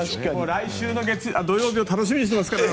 来週の土曜日を楽しみにしてますから。